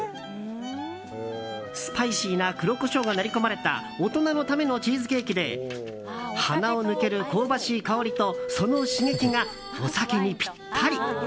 スパイシーな黒コショウが練り込まれた大人のためのチーズケーキで鼻を抜ける香ばしい香りとその刺激が、お酒にぴったり。